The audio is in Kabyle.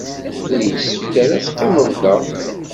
Ur yessefk ara ad teqqimem da.